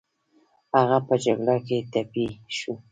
هغه په جګړه کې ټپي شو